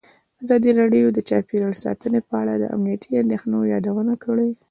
ازادي راډیو د چاپیریال ساتنه په اړه د امنیتي اندېښنو یادونه کړې.